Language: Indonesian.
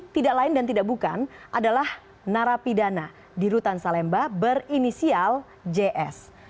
tidak lain dan tidak bukan adalah narapidana di rutan salemba berinisial js